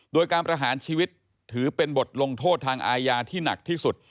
โดยการประหารชีวิตถือเป็นบทลงโทษทางอาญาที่หนักที่สุด